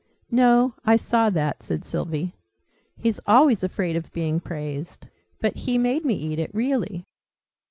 "No; I saw that," said Sylvie. "He's always afraid of being praised. But he made me eat it, really!